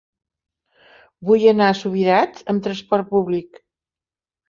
Vull anar a Subirats amb trasport públic.